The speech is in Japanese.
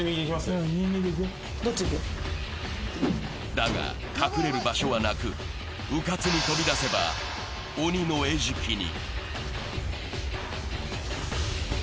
だが隠れる場所はなく、うかつに飛び出せば鬼の餌食に。